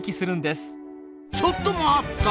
ちょっと待った！